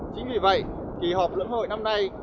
chính vì vậy kỳ họp luận hội năm nay